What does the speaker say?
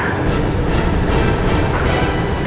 berarti sudah terlalu banyak